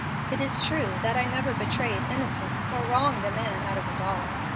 It is true that I never betrayed innocence or wronged a man out of a dollar.